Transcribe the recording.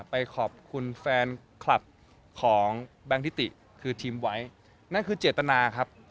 ไปขอบคุณแฟนคลับของแบงคิติคือทีมไว้นั่นคือเจตนาครับ